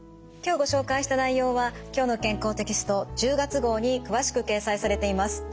今日ご紹介した内容は「きょうの健康」テキスト１０月号に詳しく掲載されています。